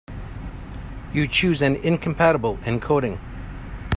You chose an incompatible encoding.